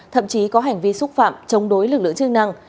thậm chí có hành vi xúc phạm chống đối lực lượng chức năng